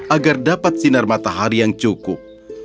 agar dapat sinar matahari yang cukup